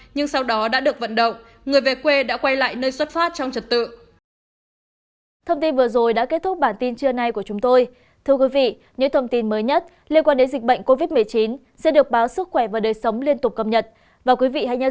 nhưng sau đó đã được vận động người về quê đã quay lại nơi xuất phát trong trật tự